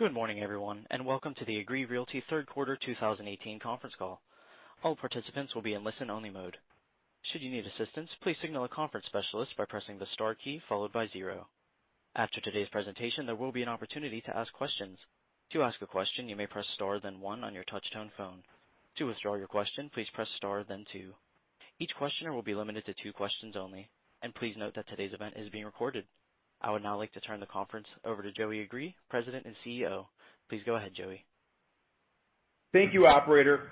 Good morning, everyone, welcome to the Agree Realty third quarter 2018 conference call. All participants will be in listen-only mode. Should you need assistance, please signal a conference specialist by pressing the star key followed by zero. After today's presentation, there will be an opportunity to ask questions. To ask a question, you may press star then one on your touchtone phone. To withdraw your question, please press star then two. Each questioner will be limited to two questions only. Please note that today's event is being recorded. I would now like to turn the conference over to Joey Agree, President and CEO. Please go ahead, Joey. Thank you, operator.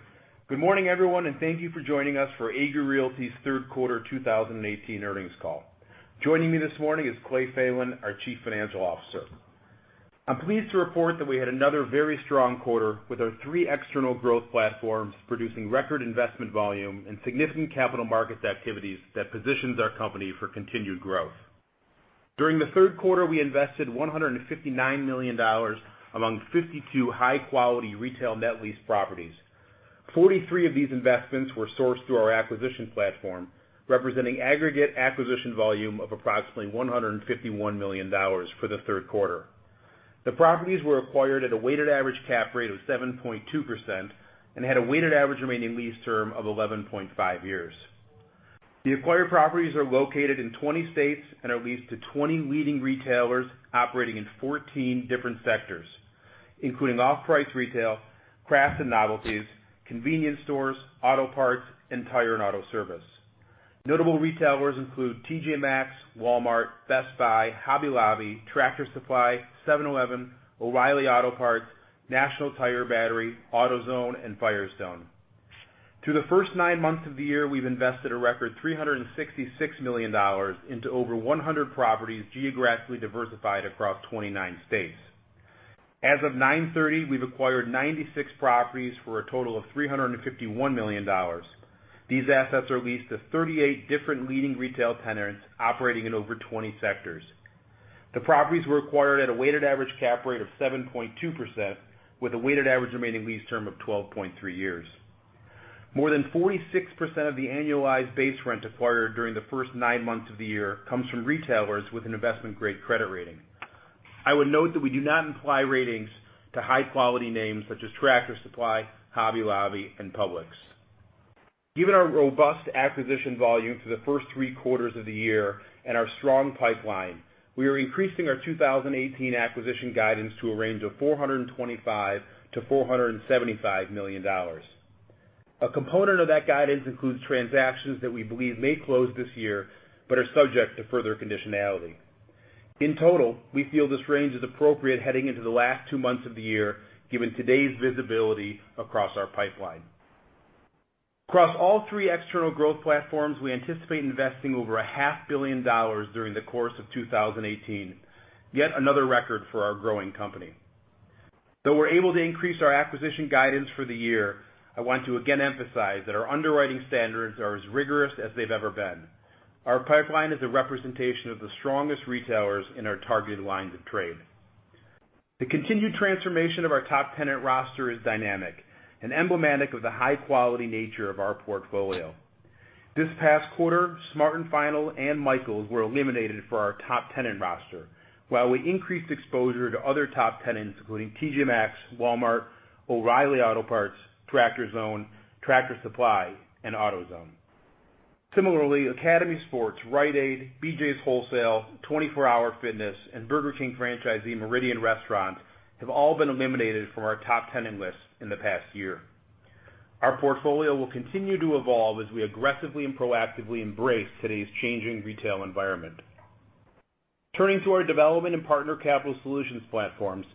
Good morning, everyone, thank you for joining us for Agree Realty's third quarter 2018 earnings call. Joining me this morning is Clay Thelen, our Chief Financial Officer. I'm pleased to report that we had another very strong quarter with our three external growth platforms producing record investment volume and significant capital markets activities that positions our company for continued growth. During the third quarter, we invested $159 million among 52 high-quality retail net lease properties. Forty-three of these investments were sourced through our acquisition platform, representing aggregate acquisition volume of approximately $151 million for the third quarter. The properties were acquired at a weighted average cap rate of 7.2% and had a weighted average remaining lease term of 11.5 years. The acquired properties are located in 20 states and are leased to 20 leading retailers operating in 14 different sectors, including off-price retail, crafts and novelties, convenience stores, auto parts, and tire and auto service. Notable retailers include TJ Maxx, Walmart, Best Buy, Hobby Lobby, Tractor Supply, 7-Eleven, O'Reilly Auto Parts, National Tire & Battery, AutoZone, and Firestone. Through the first nine months of the year, we've invested a record $366 million into over 100 properties geographically diversified across 29 states. As of 9/30, we've acquired 96 properties for a total of $351 million. These assets are leased to 38 different leading retail tenants operating in over 20 sectors. The properties were acquired at a weighted average cap rate of 7.2%, with a weighted average remaining lease term of 12.3 years. More than 46% of the annualized base rent acquired during the first nine months of the year comes from retailers with an investment-grade credit rating. I would note that we do not imply ratings to high-quality names such as Tractor Supply, Hobby Lobby, and Publix. Given our robust acquisition volume for the first three quarters of the year and our strong pipeline, we are increasing our 2018 acquisition guidance to a range of $425 million-$475 million. A component of that guidance includes transactions that we believe may close this year, but are subject to further conditionality. In total, we feel this range is appropriate heading into the last two months of the year, given today's visibility across our pipeline. Across all three external growth platforms, we anticipate investing over a half billion dollars during the course of 2018, yet another record for our growing company. Though we are able to increase our acquisition guidance for the year, I want to again emphasize that our underwriting standards are as rigorous as they have ever been. Our pipeline is a representation of the strongest retailers in our targeted lines of trade. The continued transformation of our top tenant roster is dynamic and emblematic of the high-quality nature of our portfolio. This past quarter, Smart & Final and Michaels were eliminated for our top tenant roster, while we increased exposure to other top tenants, including TJ Maxx, Walmart, O'Reilly Auto Parts, Tractor Zone, Tractor Supply, and AutoZone. Similarly, Academy Sports, Rite Aid, BJ's Wholesale, 24 Hour Fitness, and Burger King franchisee Meridian Restaurants have all been eliminated from our top tenant list in the past year. Our portfolio will continue to evolve as we aggressively and proactively embrace today's changing retail environment. Turning to our development in Partner Capital Solutions platforms.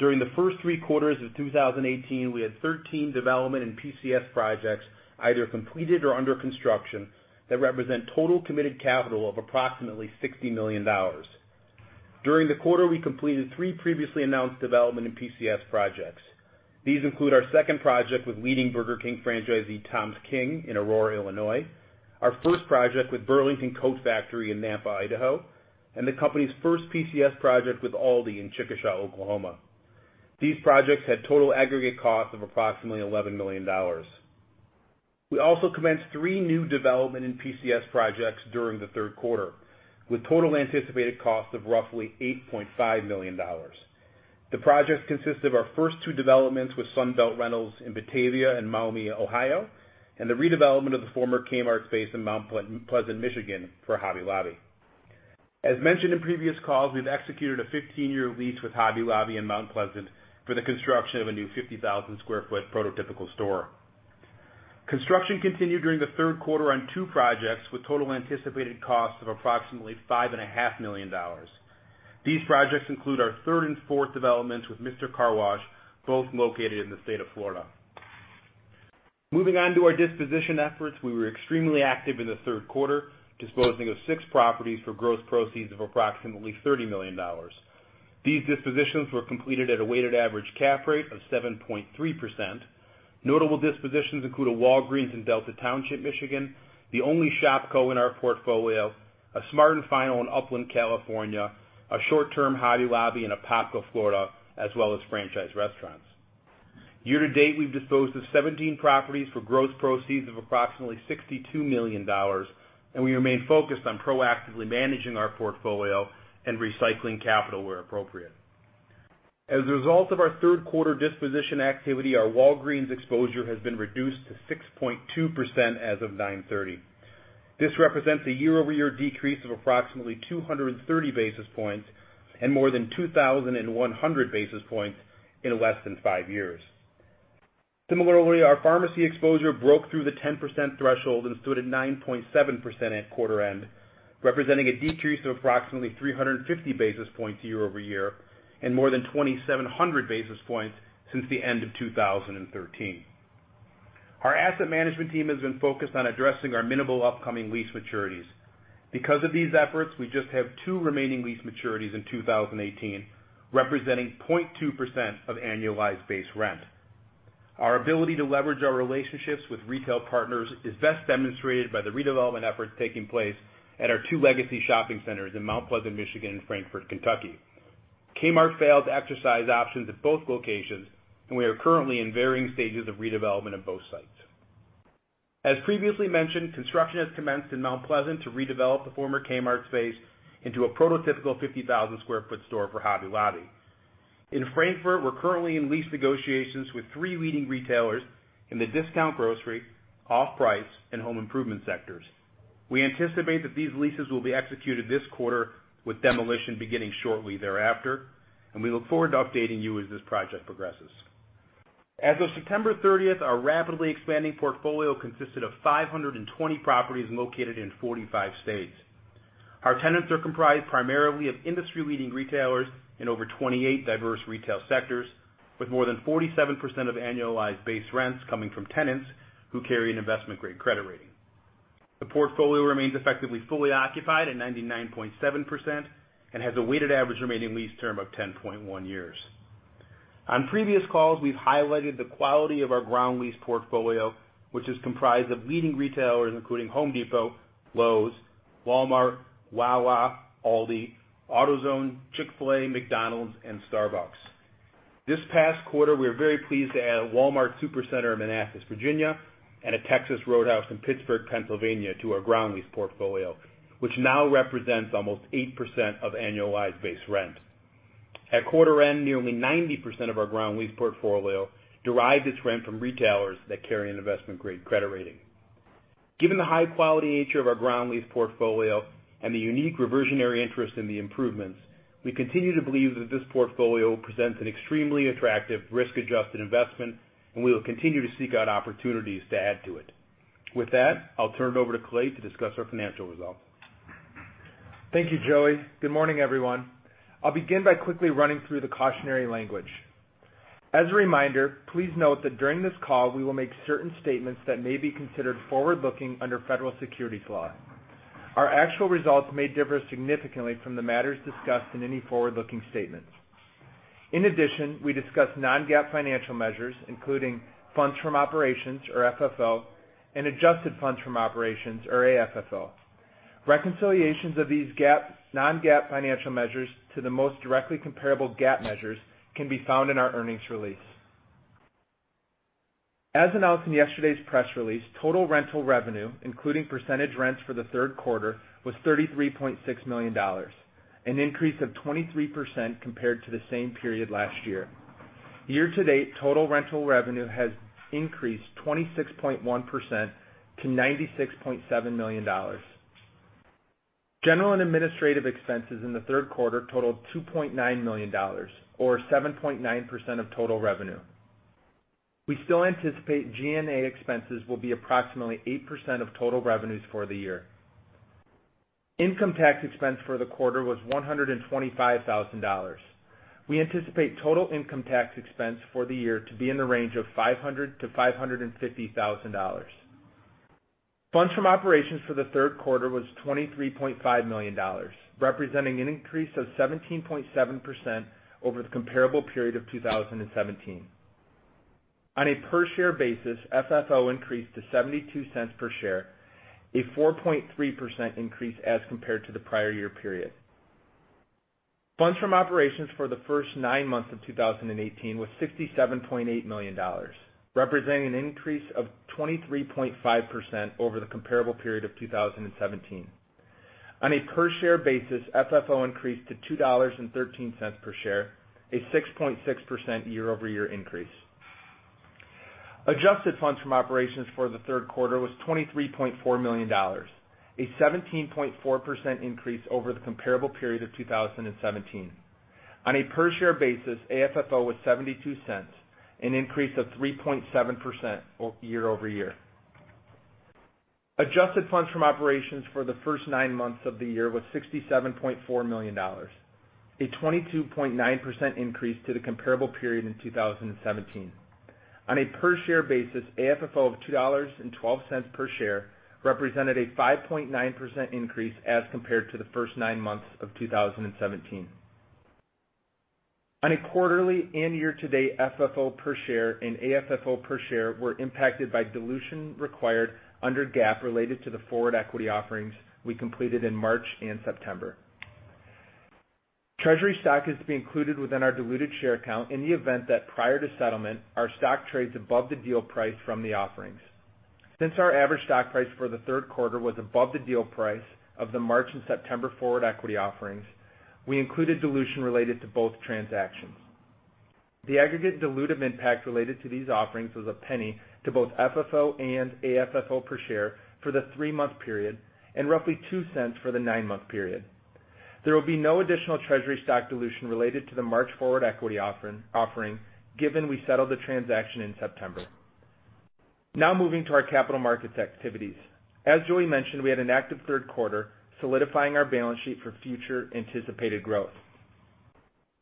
During the first three quarters of 2018, we had 13 development and PCS projects either completed or under construction that represent total committed capital of approximately $60 million. During the quarter, we completed 3 previously announced development in PCS projects. These include our second project with leading Burger King franchisee Toms King in Aurora, Illinois, our first project with Burlington Coat Factory in Nampa, Idaho, and the company's first PCS project with Aldi in Chickasha, Oklahoma. These projects had total aggregate costs of approximately $11 million. We also commenced 3 new development in PCS projects during the third quarter, with total anticipated costs of roughly $8.5 million. The projects consist of our first two developments with Sunbelt Rentals in Batavia and Maumee, Ohio, and the redevelopment of the former Kmart space in Mount Pleasant, Michigan, for Hobby Lobby. As mentioned in previous calls, we have executed a 15-year lease with Hobby Lobby in Mount Pleasant for the construction of a new 50,000 sq ft prototypical store. Construction continued during the third quarter on 2 projects with total anticipated costs of approximately $5.5 million. These projects include our third and fourth developments with Mister Car Wash, both located in the state of Florida. Moving on to our disposition efforts. We were extremely active in the third quarter, disposing of 6 properties for gross proceeds of approximately $30 million. These dispositions were completed at a weighted average cap rate of 7.3%. Notable dispositions include a Walgreens in Delta Township, Michigan, the only Shopko in our portfolio, a Smart & Final in Upland, California, a short-term Hobby Lobby in Apopka, Florida, as well as Franchise Restaurants. Year-to-date, we have disposed of 17 properties for gross proceeds of approximately $62 million. We remain focused on proactively managing our portfolio and recycling capital where appropriate. As a result of our third quarter disposition activity, our Walgreens exposure has been reduced to 6.2% as of 9/30. This represents a year-over-year decrease of approximately 230 basis points. More than 2,100 basis points in less than 5 years. Similarly, our pharmacy exposure broke through the 10% threshold and stood at 9.7% at quarter end, representing a decrease of approximately 350 basis points year-over-year. More than 2,700 basis points since the end of 2013. Our asset management team has been focused on addressing our minimal upcoming lease maturities. Because of these efforts, we just have 2 remaining lease maturities in 2018, representing 0.2% of annualized base rent. Our ability to leverage our relationships with retail partners is best demonstrated by the redevelopment efforts taking place at our two legacy shopping centers in Mount Pleasant, Michigan, and Frankfort, Kentucky. Kmart failed to exercise options at both locations, and we are currently in varying stages of redevelopment of both sites. As previously mentioned, construction has commenced in Mount Pleasant to redevelop the former Kmart space into a prototypical 50,000 square foot store for Hobby Lobby. In Frankfort, we're currently in lease negotiations with three leading retailers in the discount grocery, off-price, and home improvement sectors. We anticipate that these leases will be executed this quarter, with demolition beginning shortly thereafter, and we look forward to updating you as this project progresses. As of September 30th, our rapidly expanding portfolio consisted of 520 properties located in 45 states. Our tenants are comprised primarily of industry-leading retailers in over 28 diverse retail sectors, with more than 47% of annualized base rents coming from tenants who carry an investment-grade credit rating. The portfolio remains effectively fully occupied at 99.7% and has a weighted average remaining lease term of 10.1 years. On previous calls, we've highlighted the quality of our ground lease portfolio, which is comprised of leading retailers including Home Depot, Lowe's, Walmart, Wawa, Aldi, AutoZone, Chick-fil-A, McDonald's, and Starbucks. This past quarter, we are very pleased to add a Walmart Supercenter in Manassas, Virginia, and a Texas Roadhouse in Pittsburgh, Pennsylvania, to our ground lease portfolio, which now represents almost 8% of annualized base rents. At quarter end, nearly 90% of our ground lease portfolio derived its rent from retailers that carry an investment-grade credit rating. Given the high-quality nature of our ground lease portfolio and the unique reversionary interest in the improvements, we continue to believe that this portfolio presents an extremely attractive risk-adjusted investment, and we will continue to seek out opportunities to add to it. With that, I'll turn it over to Clay to discuss our financial results. Thank you, Joey. Good morning, everyone. I'll begin by quickly running through the cautionary language. As a reminder, please note that during this call, we will make certain statements that may be considered forward-looking under federal securities law. Our actual results may differ significantly from the matters discussed in any forward-looking statements. In addition, we discuss non-GAAP financial measures, including funds from operations, or FFO, and adjusted funds from operations, or AFFO. Reconciliations of these non-GAAP financial measures to the most directly comparable GAAP measures can be found in our earnings release. As announced in yesterday's press release, total rental revenue, including percentage rents for the third quarter, was $33.6 million, an increase of 23% compared to the same period last year. Year-to-date, total rental revenue has increased 26.1% to $96.7 million. General and administrative expenses in the third quarter totaled $2.9 million, or 7.9% of total revenue. We still anticipate G&A expenses will be approximately 8% of total revenues for the year. Income tax expense for the quarter was $125,000. We anticipate total income tax expense for the year to be in the range of $500,000-$550,000. Funds from operations for the third quarter was $23.5 million, representing an increase of 17.7% over the comparable period of 2017. On a per-share basis, FFO increased to $0.72 per share, a 4.3% increase as compared to the prior year period. Funds from operations for the first nine months of 2018 was $67.8 million, representing an increase of 23.5% over the comparable period of 2017. On a per-share basis, FFO increased to $2.13 per share, a 6.6% year-over-year increase. Adjusted funds from operations for the third quarter was $23.4 million, a 17.4% increase over the comparable period of 2017. On a per-share basis, AFFO was $0.72, an increase of 3.7% year-over-year. Adjusted funds from operations for the first nine months of the year was $67.4 million, a 22.9% increase to the comparable period in 2017. On a per-share basis, AFFO of $2.12 per share represented a 5.9% increase as compared to the first nine months of 2017. On a quarterly and year-to-date, FFO per share and AFFO per share were impacted by dilution required under GAAP related to the forward equity offerings we completed in March and September. Treasury stock is to be included within our diluted share count in the event that prior to settlement, our stock trades above the deal price from the offerings. Since our average stock price for the third quarter was above the deal price of the March and September forward equity offerings, we included dilution related to both transactions. The aggregate dilutive impact related to these offerings was $0.01 to both FFO and AFFO per share for the three-month period, and roughly $0.02 for the nine-month period. There will be no additional treasury stock dilution related to the March forward equity offering, given we settled the transaction in September. Moving to our capital markets activities. As Joey mentioned, we had an active third quarter solidifying our balance sheet for future anticipated growth.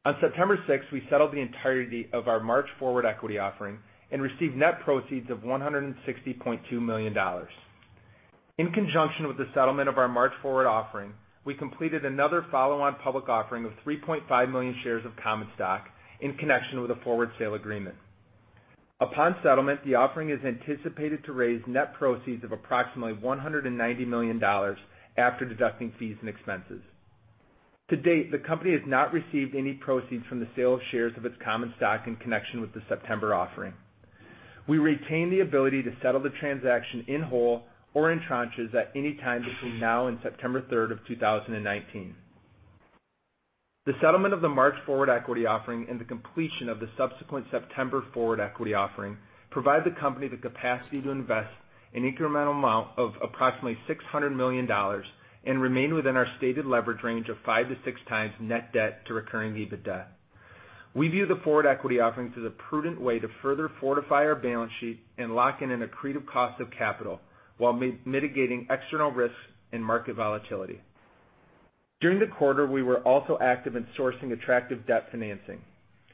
On September 6th, we settled the entirety of our March forward equity offering and received net proceeds of $160.2 million. In conjunction with the settlement of our March forward offering, we completed another follow-on public offering of 3.5 million shares of common stock in connection with a forward sale agreement. Upon settlement, the offering is anticipated to raise net proceeds of approximately $190 million after deducting fees and expenses. To date, the company has not received any proceeds from the sale of shares of its common stock in connection with the September offering. We retain the ability to settle the transaction in whole or in tranches at any time between now and September 3rd, 2019. The settlement of the March forward equity offering and the completion of the subsequent September forward equity offering provide the company the capacity to invest an incremental amount of approximately $600 million and remain within our stated leverage range of 5-6 times net debt to recurring EBITDA. We view the forward equity offerings as a prudent way to further fortify our balance sheet and lock in an accretive cost of capital while mitigating external risks and market volatility. During the quarter, we were also active in sourcing attractive debt financing.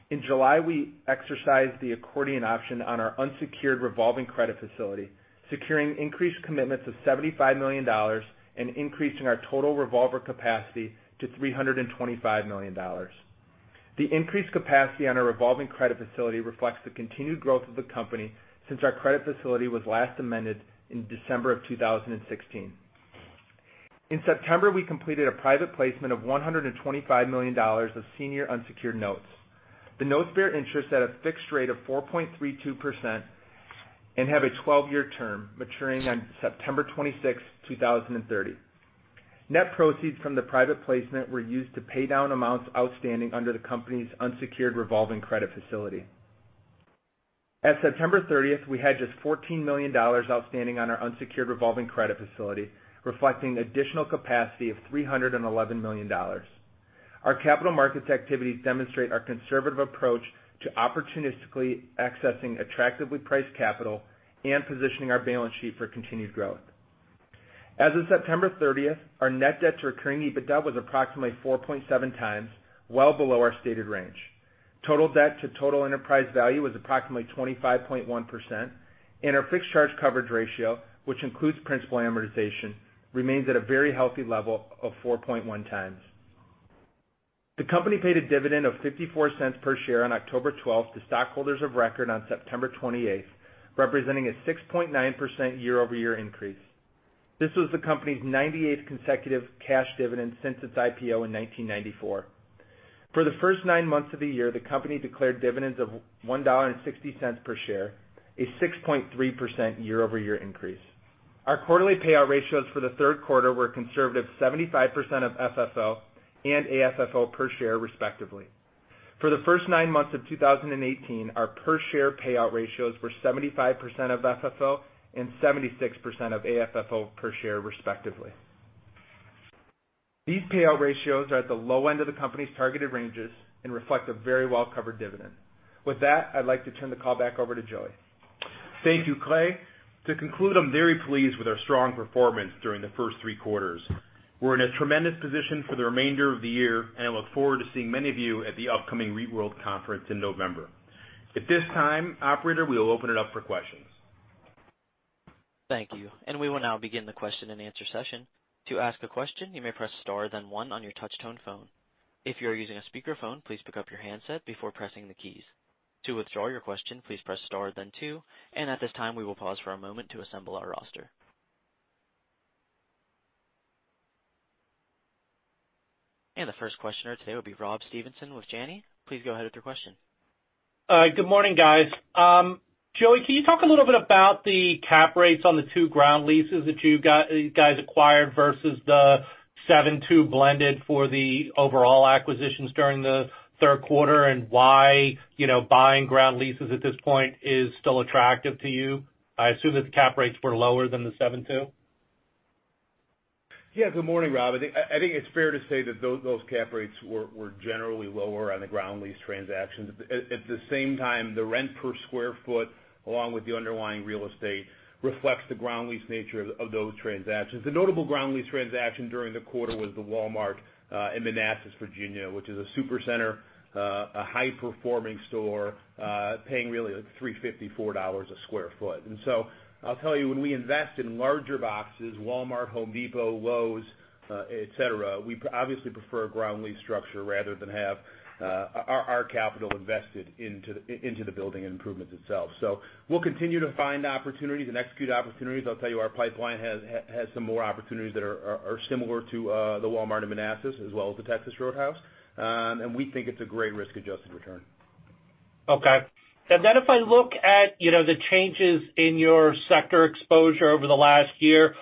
In July, we exercised the accordion option on our unsecured revolving credit facility, securing increased commitments of $75 million and increasing our total revolver capacity to $325 million. The increased capacity on our revolving credit facility reflects the continued growth of the company since our credit facility was last amended in December of 2016. In September, we completed a private placement of $125 million of senior unsecured notes. The notes bear interest at a fixed rate of 4.32% and have a 12-year term, maturing on September 26th, 2030. Net proceeds from the private placement were used to pay down amounts outstanding under the company's unsecured revolving credit facility. At September 30th, we had just $14 million outstanding on our unsecured revolving credit facility, reflecting additional capacity of $311 million. Our capital markets activities demonstrate our conservative approach to opportunistically accessing attractively priced capital and positioning our balance sheet for continued growth. As of September 30th, our net debt to recurring EBITDA was approximately 4.7 times, well below our stated range. Total debt to total enterprise value was approximately 25.1%, and our fixed charge coverage ratio, which includes principal amortization, remains at a very healthy level of 4.1 times. The company paid a dividend of $0.54 per share on October 12th to stockholders of record on September 28th, representing a 6.9% year-over-year increase. This was the company's 98th consecutive cash dividend since its IPO in 1994. For the first nine months of the year, the company declared dividends of $1.60 per share, a 6.3% year-over-year increase. Our quarterly payout ratios for the third quarter were a conservative 75% of FFO and AFFO per share, respectively. For the first nine months of 2018, our per share payout ratios were 75% of FFO and 76% of AFFO per share, respectively. These payout ratios are at the low end of the company's targeted ranges and reflect a very well-covered dividend. With that, I'd like to turn the call back over to Joey. Thank you, Clay. To conclude, I'm very pleased with our strong performance during the first three quarters. We're in a tremendous position for the remainder of the year, I look forward to seeing many of you at the upcoming REITworld Conference in November. At this time, operator, we will open it up for questions. Thank you. We will now begin the question-and-answer session. To ask a question, you may press star then one on your touch-tone phone. If you are using a speakerphone, please pick up your handset before pressing the keys. To withdraw your question, please press star then two. At this time, we will pause for a moment to assemble our roster. The first questioner today will be Rob Stevenson with Janney. Please go ahead with your question. Good morning, guys. Joey, can you talk a little bit about the cap rates on the two ground leases that you guys acquired versus the 7.2% blended for the overall acquisitions during the third quarter, and why buying ground leases at this point is still attractive to you? I assume that the cap rates were lower than the 7.2%. Good morning, Rob. I think it's fair to say that those cap rates were generally lower on the ground lease transactions. At the same time, the rent per square foot, along with the underlying real estate, reflects the ground lease nature of those transactions. The notable ground lease transaction during the quarter was the Walmart in Manassas, Virginia, which is a Supercenter, a high-performing store, paying really like $354 a square foot. I'll tell you, when we invest in larger boxes, Walmart, The Home Depot, Lowe's, et cetera, we obviously prefer a ground lease structure rather than have our capital invested into the building improvements itself. We'll continue to find opportunities and execute opportunities. I'll tell you, our pipeline has some more opportunities that are similar to the Walmart in Manassas as well as the Texas Roadhouse. We think it's a great risk-adjusted return. If I look at the changes in your sector exposure over the last year,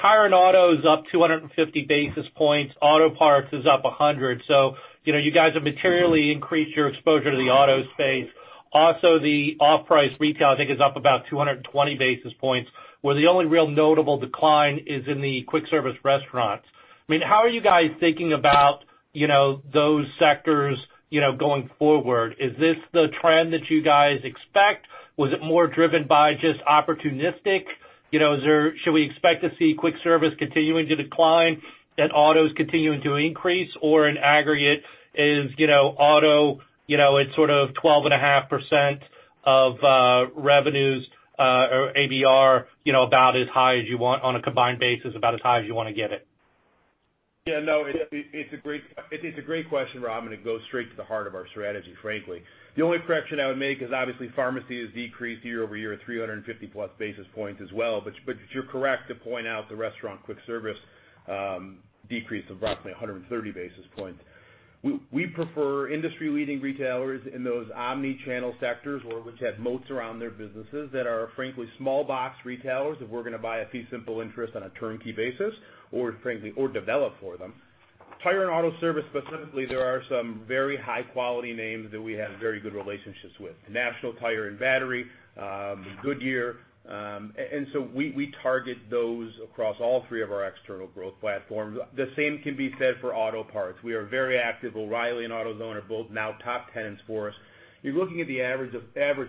tire and auto is up 250 basis points, auto parts is up 100 basis points. You guys have materially increased your exposure to the auto space. Also, the off-price retail, I think, is up about 220 basis points, where the only real notable decline is in the quick service restaurants. How are you guys thinking about those sectors going forward? Is this the trend that you guys expect? Was it more driven by just opportunistic? Should we expect to see quick service continuing to decline and autos continuing to increase? Or in aggregate is auto, it's sort of 12.5% of revenues or ABR, about as high as you want on a combined basis, about as high as you want to get it? No, it's a great question, Rob Stevenson, it goes straight to the heart of our strategy, frankly. The only correction I would make is obviously pharmacy has decreased year-over-year 350-plus basis points as well. You're correct to point out the restaurant quick service decrease of approximately 130 basis points. We prefer industry-leading retailers in those omni-channel sectors or which have moats around their businesses that are frankly small box retailers, if we're going to buy a fee simple interest on a turnkey basis or frankly, or develop for them. Tire and auto service specifically, there are some very high-quality names that we have very good relationships with. National Tire & Battery, Goodyear, we target those across all three of our external growth platforms. The same can be said for auto parts. We are very active. O'Reilly and AutoZone are both now top tenants for us. You're looking at the average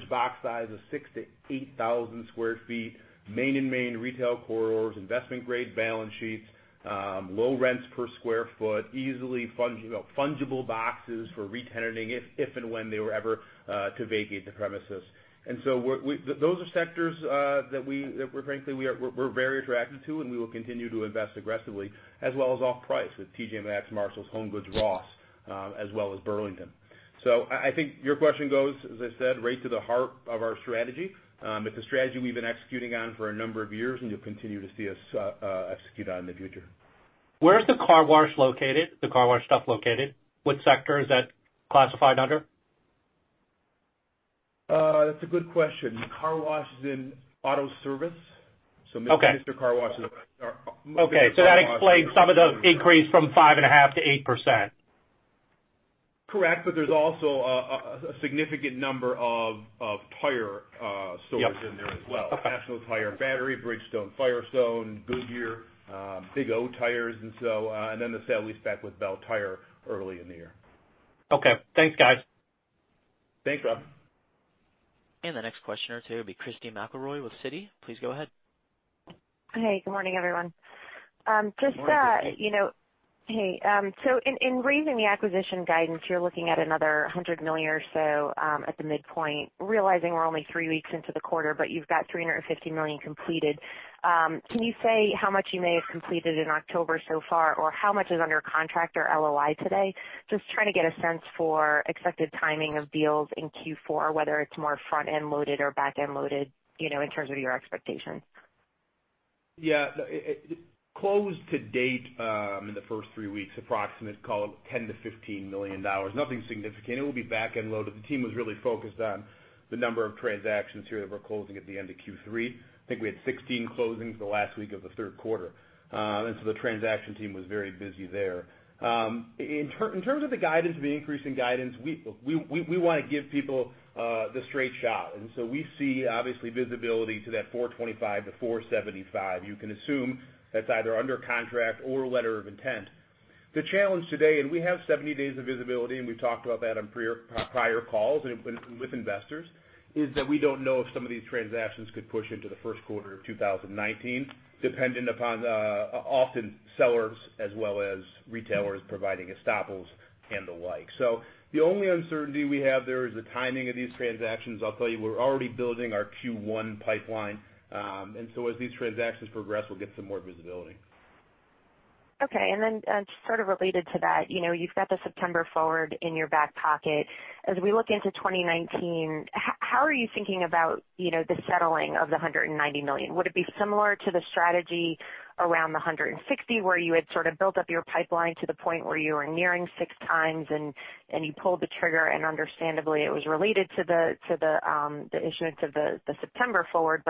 box size of 6 to 8,000 sq ft, main-and-main retail corridors, investment-grade balance sheets, low rents per square foot, easily fungible boxes for re-tenanting if and when they were ever to vacate the premises. Those are sectors that we're frankly very attracted to, and we will continue to invest aggressively, as well as off-price with TJ Maxx, Marshalls, HomeGoods, Ross, as well as Burlington. I think your question goes, as I said, right to the heart of our strategy. It's a strategy we've been executing on for a number of years, and you'll continue to see us execute on in the future. Where is the car wash located, the car wash stuff located? What sector is that classified under? That's a good question. Car wash is in auto service. Okay. Mister Car Wash. Okay. That explains some of the increase from 5.5% to 8%. Correct. There's also a significant number of tire stores. Yep In there as well are National Tire & Battery, Bridgestone Firestone, Goodyear, Big O Tires, and the sale we expect with Belle Tire early in the year. Okay. Thanks, guys. Thanks, Rob. The next questioner to be Christy McElroy with Citi. Please go ahead. Hey, good morning, everyone. Good morning, Christy. Hey, in raising the acquisition guidance, you're looking at another $100 million or so at the midpoint, realizing we're only three weeks into the quarter, but you've got $350 million completed. Can you say how much you may have completed in October so far? Or how much is under contract or LOI today? Just trying to get a sense for expected timing of deals in Q4, whether it's more front-end loaded or back-end loaded, in terms of your expectations. Yeah. Closed to date in the first three weeks, approximate, call it $10 million-$15 million. Nothing significant. It will be back-end loaded. The team was really focused on the number of transactions here that we're closing at the end of Q3. I think we had 16 closings the last week of the third quarter. The transaction team was very busy there. In terms of the guidance, the increase in guidance, we want to give people the straight shot. We see, obviously, visibility to that $425 million-$475 million. You can assume that's either under contract or letter of intent. The challenge today, we have 70 days of visibility, we've talked about that on prior calls with investors, is that we don't know if some of these transactions could push into the first quarter of 2019, dependent upon often sellers as well as retailers providing estoppels and the like. The only uncertainty we have there is the timing of these transactions. I'll tell you, we're already building our Q1 pipeline. As these transactions progress, we'll get some more visibility. Okay. Sort of related to that, you've got the September forward in your back pocket. As we look into 2019, how are you thinking about the settling of the $190 million? Would it be similar to the strategy around the $160, where you had sort of built up your pipeline to the point where you were nearing six times and you pulled the trigger, understandably it was related to the issuance of the September forward.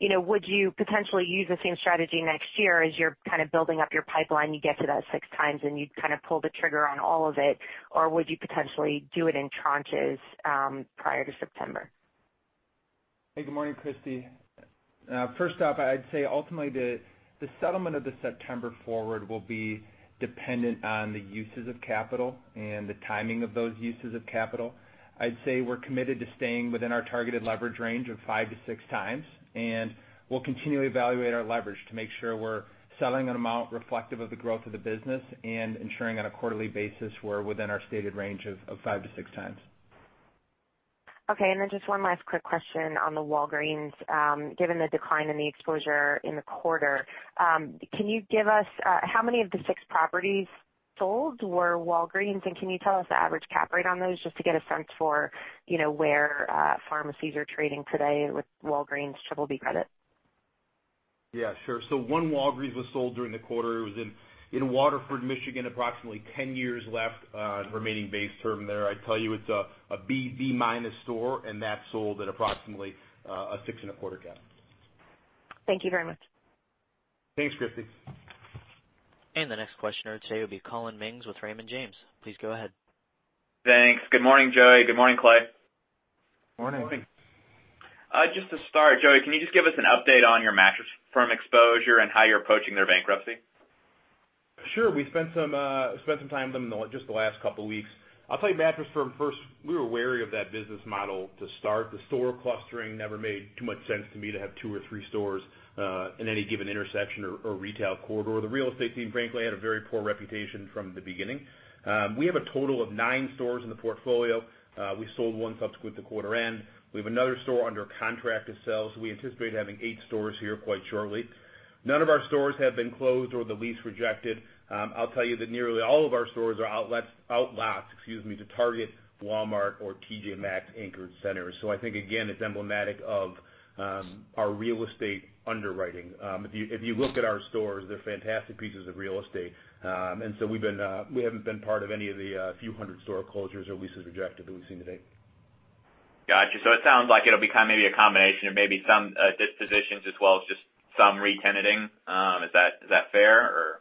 Would you potentially use the same strategy next year as you're kind of building up your pipeline, you get to that six times and you kind of pull the trigger on all of it? Would you potentially do it in tranches prior to September? Hey, good morning, Christy. First off, I'd say ultimately the settlement of the September forward will be dependent on the uses of capital and the timing of those uses of capital. I'd say we're committed to staying within our targeted leverage range of five to six times, we'll continually evaluate our leverage to make sure we're selling an amount reflective of the growth of the business and ensuring on a quarterly basis we're within our stated range of five to six times. Okay. Just one last quick question on the Walgreens. Given the decline in the exposure in the quarter, can you give us how many of the six properties sold were Walgreens? Can you tell us the average cap rate on those just to get a sense for where pharmacies are trading today with Walgreens BBB credit? Yeah, sure. One Walgreens was sold during the quarter. It was in Waterford, Michigan, approximately 10 years left on remaining base term there. I'd tell you it's a B-minus store, that sold at approximately a six-and-a-quarter cap. Thank you very much. Thanks, Christy. The next questioner today will be Collin Mings with Raymond James. Please go ahead. Thanks. Good morning, Joey. Good morning, Clay. Morning. Morning. Just to start, Joey, can you just give us an update on your Mattress Firm exposure and how you're approaching their bankruptcy? Sure. We spent some time with them in just the last couple of weeks. I'll tell you, Mattress Firm, first, we were wary of that business model to start. The store clustering never made too much sense to me to have two or three stores in any given intersection or retail corridor. The real estate team, frankly, had a very poor reputation from the beginning. We have a total of nine stores in the portfolio. We sold one subsequent to quarter end. We have another store under contract to sell, so we anticipate having eight stores here quite shortly. None of our stores have been closed or the lease rejected. I'll tell you that nearly all of our stores are outlots to Target, Walmart, or TJ Maxx anchored centers. I think, again, it's emblematic of our real estate underwriting. If you look at our stores, they're fantastic pieces of real estate. We haven't been part of any of the few hundred store closures or leases rejected that we've seen to date. Got you. It sounds like it'll be kind of maybe a combination of maybe some dispositions as well as just some re-tenanting. Is that fair, or?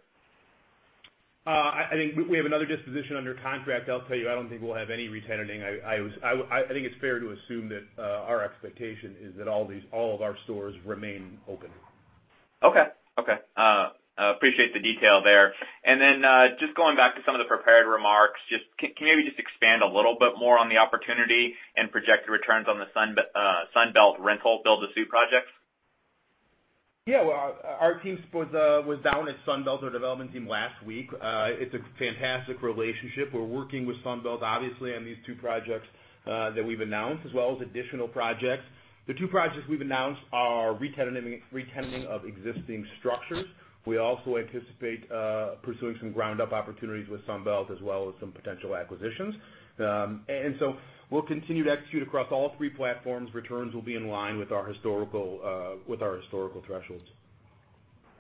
I think we have another disposition under contract. I'll tell you, I don't think we'll have any re-tenanting. I think it's fair to assume that our expectation is that all of our stores remain open. Okay. Appreciate the detail there. Then, just going back to some of the prepared remarks, can you maybe just expand a little bit more on the opportunity and projected returns on the Sunbelt Rentals build-to-suit projects? Yeah. Well, our team was down at Sunbelt Rentals, our development team, last week. It's a fantastic relationship. We're working with Sunbelt Rentals obviously on these two projects that we've announced, as well as additional projects. The two projects we've announced are re-tenanting of existing structures. We also anticipate pursuing some ground-up opportunities with Sunbelt Rentals, as well as some potential acquisitions. So we'll continue to execute across all three platforms. Returns will be in line with our historical thresholds.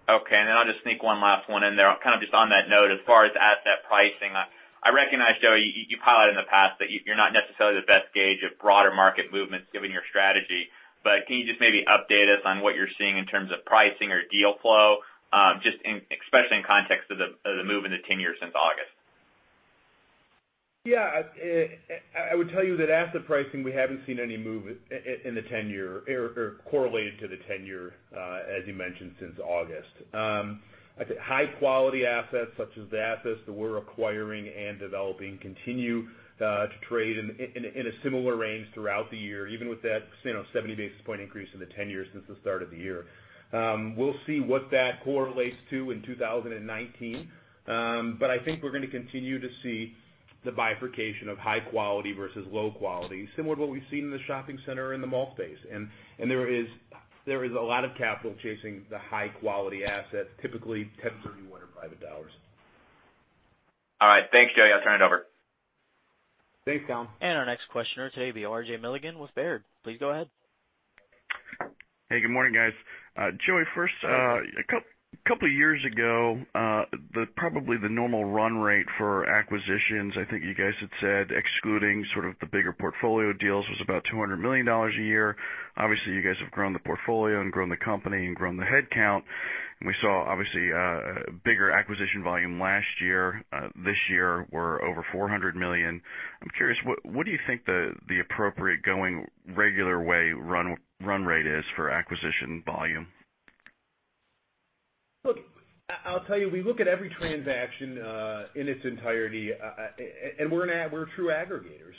Okay. Then I'll just sneak one last one in there. Kind of just on that note, as far as asset pricing, I recognize, Joey, you highlighted in the past that you're not necessarily the best gauge of broader market movements given your strategy. Can you just maybe update us on what you're seeing in terms of pricing or deal flow, especially in context of the move in the 10-year since August? Yeah. I would tell you that asset pricing, we haven't seen any move in the 10-year or correlated to the 10-year, as you mentioned, since August. High-quality assets, such as the assets that we're acquiring and developing, continue to trade in a similar range throughout the year, even with that 70 basis points increase in the 10-year since the start of the year. We'll see what that correlates to in 2019. I think we're going to continue to see the bifurcation of high quality versus low quality, similar to what we've seen in the shopping center and the mall space. There is a lot of capital chasing the high-quality assets, typically 1031 or private dollars. All right. Thanks, Joey. I'll turn it over. Thanks, Collin. Our next questioner today will be RJ Milligan with Baird. Please go ahead. Hey, good morning, guys. Joey. Hey, RJ. A couple of years ago, probably the normal run rate for acquisitions, I think you guys had said excluding sort of the bigger portfolio deals, was about $200 million a year. Obviously, you guys have grown the portfolio and grown the company and grown the headcount. We saw, obviously, a bigger acquisition volume last year. This year, we're over $400 million. I'm curious, what do you think the appropriate going regular way run rate is for acquisition volume? Look, I'll tell you, we look at every transaction in its entirety, and we're a true aggregator.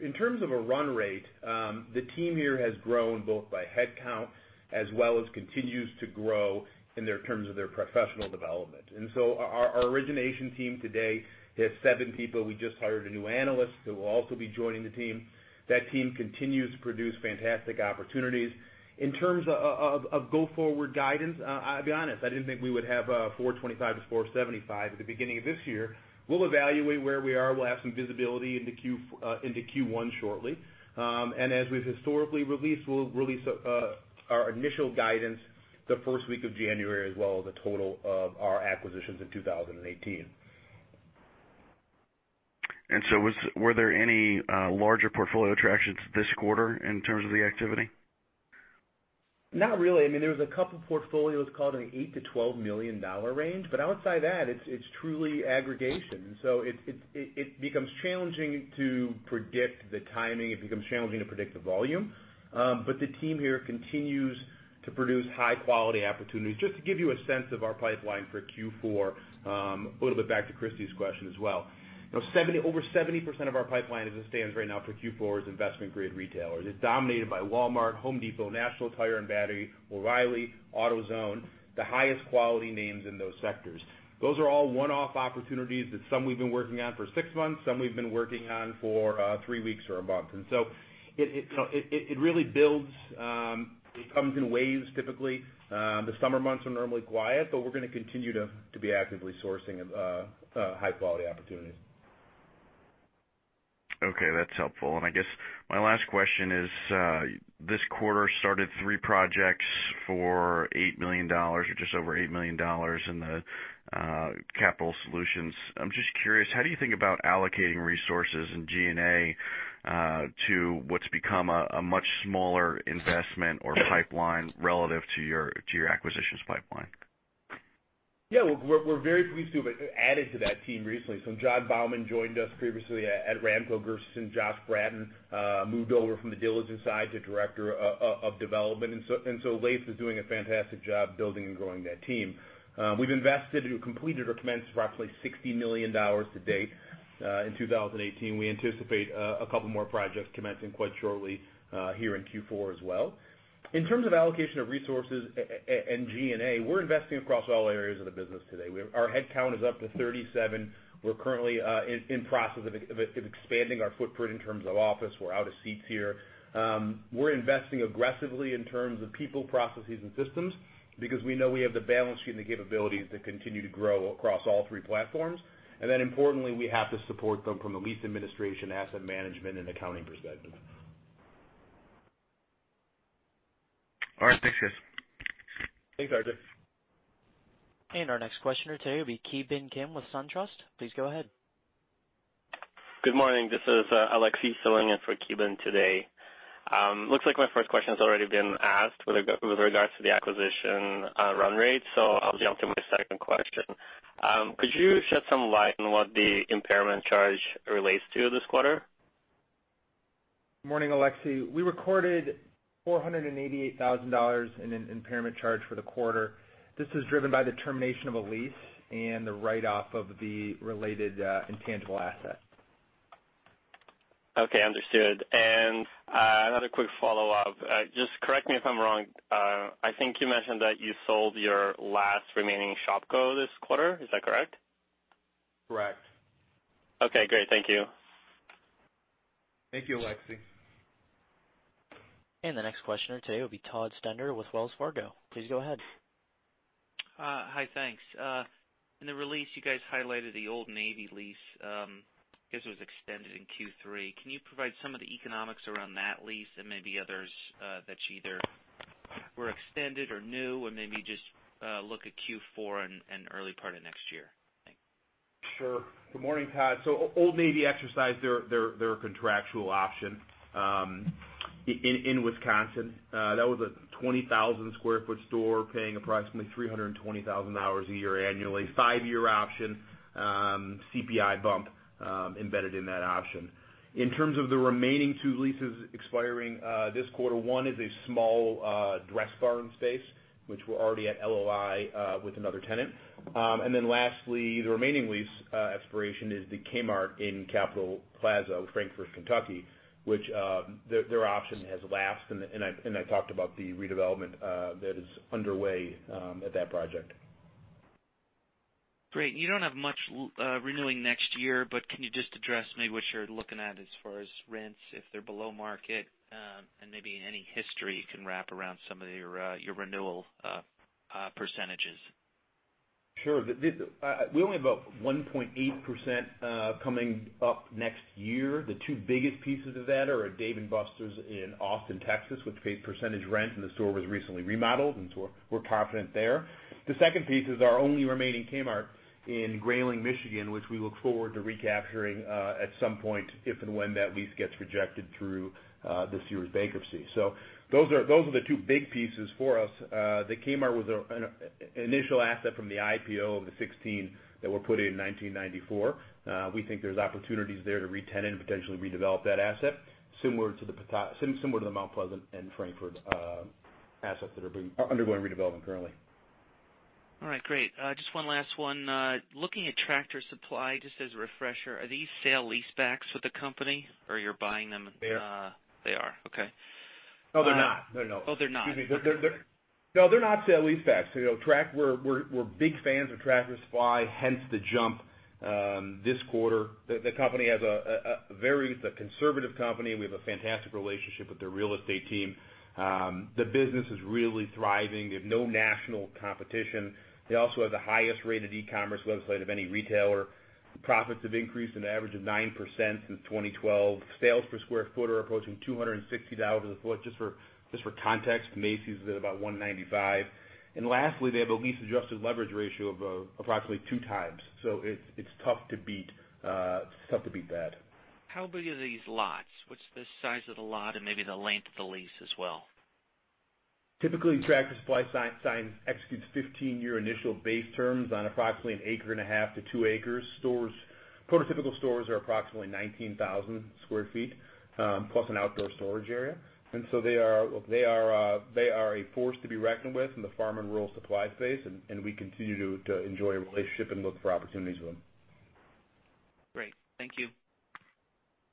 In terms of a run rate, the team here has grown both by headcount as well as continues to grow in their terms of their professional development. Our origination team today has seven people. We just hired a new analyst who will also be joining the team. That team continues to produce fantastic opportunities. In terms of go-forward guidance, I'll be honest, I didn't think we would have $425 million-$475 million at the beginning of this year. We'll evaluate where we are. We'll have some visibility into Q1 shortly. As we've historically released, we'll release our initial guidance the first week of January, as well as the total of our acquisitions in 2018. Were there any larger portfolio attractions this quarter in terms of the activity? Not really. There was a couple of portfolios called in the $8 million to $12 million range, but outside that, it's truly aggregation. It becomes challenging to predict the timing. It becomes challenging to predict the volume. The team here continues to produce high-quality opportunities. Just to give you a sense of our pipeline for Q4, a little bit back to Christy's question as well. Over 70% of our pipeline as it stands right now for Q4 is investment-grade retailers. It's dominated by Walmart, Home Depot, National Tire & Battery, O'Reilly, AutoZone, the highest quality names in those sectors. Those are all one-off opportunities that some we've been working on for six months, some we've been working on for three weeks or a month. It really builds, it comes in waves, typically. The summer months are normally quiet, but we're going to continue to be actively sourcing high-quality opportunities. Okay, that's helpful. I guess my last question is, this quarter started three projects for $8 million or just over $8 million in the capital solutions. I'm just curious, how do you think about allocating resources and G&A to what's become a much smaller investment or pipeline relative to your acquisitions pipeline? We've added to that team recently. Jonathan Bauman joined us previously at Ramco-Gershenson. Josh Bratton moved over from the diligence side to director of development, Laith Hermiz is doing a fantastic job building and growing that team. We've invested or completed or commenced roughly $60 million to date. In 2018, we anticipate a couple more projects commencing quite shortly here in Q4 as well. In terms of allocation of resources and G&A, we're investing across all areas of the business today. Our headcount is up to 37. We're currently in process of expanding our footprint in terms of office. We're out of seats here. We're investing aggressively in terms of people, processes, and systems because we know we have the balance sheet and the capabilities to continue to grow across all three platforms. Importantly, we have to support them from a lease administration, asset management, and accounting perspective. Thanks, guys. Thanks, RJ. Our next questioner today will be Ki Bin Kim with SunTrust. Please go ahead. Good morning. This is Alexi filling in for Ki Bin today. Looks like my first question has already been asked with regards to the acquisition run rate, so I'll jump to my second question. Could you shed some light on what the impairment charge relates to this quarter? Morning, Alexi. We recorded $488,000 in an impairment charge for the quarter. This is driven by the termination of a lease and the write-off of the related intangible asset. Okay, understood. Another quick follow-up. Just correct me if I'm wrong. I think you mentioned that you sold your last remaining Shopko this quarter. Is that correct? Correct. Okay, great. Thank you. Thank you, Alexi. The next questioner today will be Todd Stender with Wells Fargo. Please go ahead. Hi, thanks. In the release, you guys highlighted the Old Navy lease, I guess it was extended in Q3. Can you provide some of the economics around that lease and maybe others that either were extended or new, and maybe just look at Q4 and early part of next year? Thanks. Sure. Good morning, Todd. Old Navy exercised their contractual option in Wisconsin. That was a 20,000 sq ft store paying approximately $320,000 a year annually. Five-year option, CPI bump embedded in that option. In terms of the remaining two leases expiring this quarter, one is a small Dressbarn space, which we're already at LOI with another tenant. Lastly, the remaining lease expiration is the Kmart in Capital Plaza with Frankfort, Kentucky, which their option has lapsed, and I talked about the redevelopment that is underway at that project. Great. You don't have much renewing next year, can you just address maybe what you're looking at as far as rents, if they're below market, and maybe any history you can wrap around some of your renewal percentages? Sure. We only have about 1.8% coming up next year. The two biggest pieces of that are a Dave & Buster's in Austin, Texas, which pays percentage rent, and the store was recently remodeled, and so we're confident there. The second piece is our only remaining Kmart in Grayling, Michigan, which we look forward to recapturing at some point if and when that lease gets rejected through the Sears bankruptcy. Those are the two big pieces for us. The Kmart was an initial asset from the IPO of the 16 that were put in 1994. We think there's opportunities there to re-tenant and potentially redevelop that asset similar to the Mount Pleasant and Frankfort assets that are undergoing redevelopment currently. All right. Great. Just one last one. Looking at Tractor Supply, just as a refresher, are these sale leasebacks with the company or you're buying them- They are. They are. Okay. No, they're not. Oh, they're not. Excuse me. No, they're not sale leasebacks. We're big fans of Tractor Supply, hence the jump this quarter. The company is a conservative company. We have a fantastic relationship with their real estate team. The business is really thriving. They have no national competition. They also have the highest-rated e-commerce website of any retailer. Profits have increased an average of 9% since 2012. Sales per square foot are approaching $260 a foot. Just for context, Macy's is at about $195. Lastly, they have a lease-adjusted leverage ratio of approximately 2 times. It's tough to beat that. How big are these lots? What's the size of the lot and maybe the length of the lease as well? Typically, Tractor Supply executes 15-year initial base terms on approximately an acre and a half to 2 acres. Prototypical stores are approximately 19,000 sq ft, plus an outdoor storage area. They are a force to be reckoned with in the farm and rural supply space, and we continue to enjoy a relationship and look for opportunities with them. Great. Thank you.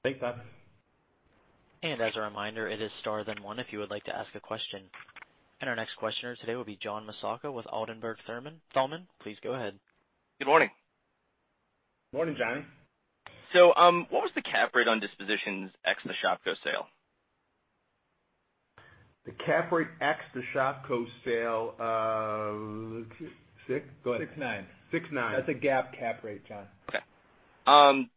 Thanks, Todd. As a reminder, it is star then one if you would like to ask a question. Our next questioner today will be John Massocca with Ladenburg Thalmann. Please go ahead. Good morning. Morning, John. What was the cap rate on dispositions ex the Shopko sale? The cap rate ex the Shopko sale. Six? Go ahead. Six nine. Six nine. That's a GAAP cap rate, John. Okay.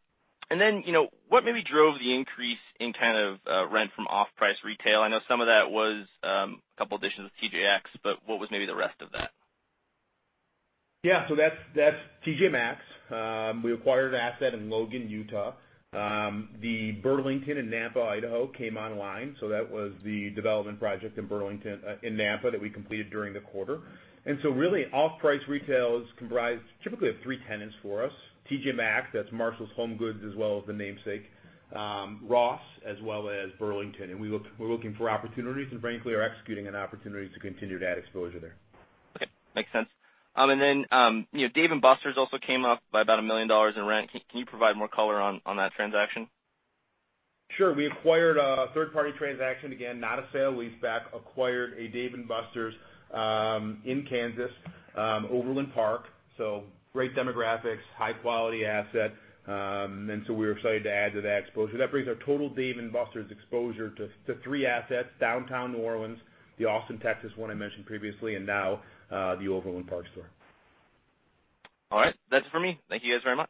Then what maybe drove the increase in kind of rent from off-price retail? I know some of that was a two additions of TJX. What was maybe the rest of that? Yeah. That's TJ Maxx. We acquired an asset in Logan, Utah. The Burlington in Nampa, Idaho came online. That was the development project in Nampa that we completed during the quarter. Really off-price retails comprise typically of three tenants for us. TJ Maxx, that's Marshalls HomeGoods as well as the namesake, Ross as well as Burlington. We're looking for opportunities and frankly are executing on opportunities to continue to add exposure there. Okay. Makes sense. Then Dave & Buster's also came up by about $1 million in rent. Can you provide more color on that transaction? Sure. We acquired a third-party transaction. Again, not a sale leaseback. Acquired a Dave & Buster's in Kansas, Overland Park, so great demographics, high-quality asset. So we were excited to add to that exposure. That brings our total Dave & Buster's exposure to three assets, Downtown New Orleans, the Austin, Texas one I mentioned previously, and now the Overland Park store. All right. That's it for me. Thank you guys very much.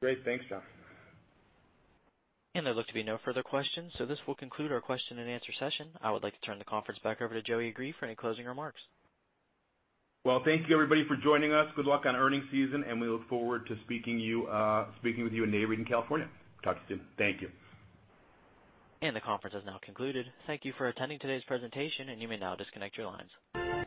Great. Thanks, John. There look to be no further questions. So this will conclude our question and answer session. I would like to turn the conference back over to Joey Agree for any closing remarks. Well, thank you everybody for joining us. Good luck on earnings season. We look forward to speaking with you in neighboring California. Talk to you soon. Thank you. The conference has now concluded. Thank you for attending today's presentation. You may now disconnect your lines.